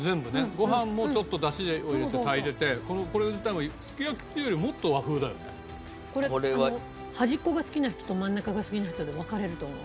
ご飯もちょっと出汁を入れて炊いててこれ自体もこれ端っこが好きな人と真ん中が好きな人で分かれると思う。